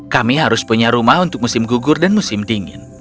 kami harus punya rumah untuk musim gugur dan musim dingin